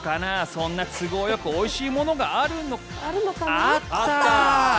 そんな都合よくおいしいものがあるのあった！